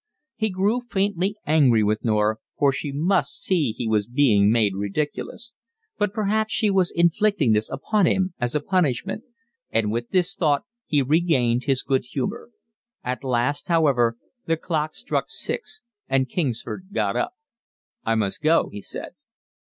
He grew faintly angry with Norah, for she must see he was being made ridiculous; but perhaps she was inflicting this upon him as a punishment, and with this thought he regained his good humour. At last, however, the clock struck six, and Kingsford got up. "I must go," he said.